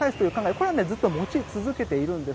これはずっと持ち続けているんです。